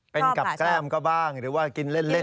เป็นกับแก้มก็บ้างหรือกินเล่นก็บ้าง